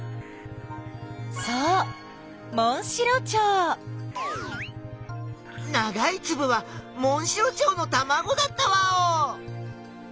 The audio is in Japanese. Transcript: そうながいつぶはモンシロチョウのたまごだったワオ！